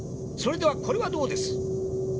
それではこれはどうです？